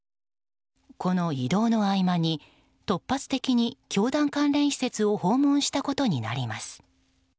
この移動の合間に突発的に教団関連施設を訪問したことになります。